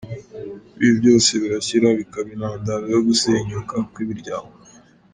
Ibi byose birashyira bikaba intandaro yo gusenyuka kw’imiryango.